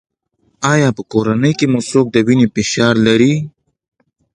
ایا په کورنۍ کې مو څوک د وینې فشار لري؟